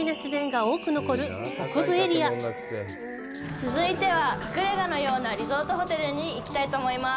続いては、隠れ家のようなリゾートホテルに行きたいと思います。